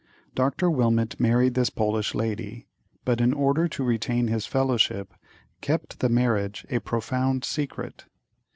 Dr. Wilmot married this Polish lady, but, in order to retain his Fellowship, kept the marriage a profound secret.